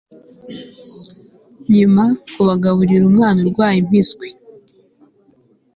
nyuma kugaburira umwana urwaye impiswi